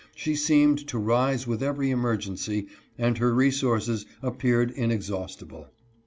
She seemed to rise with every emergency, and her resources appeared inexhaustible.